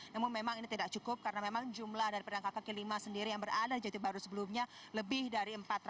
namun memang ini tidak cukup karena memang jumlah dari pedagang kaki lima sendiri yang berada di jati baru sebelumnya lebih dari empat ratus